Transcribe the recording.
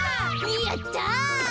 やった！